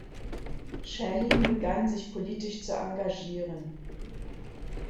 Shaheen begann sich politisch zu engagieren.